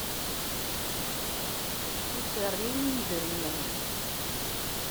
Ur serrin i yedrimen.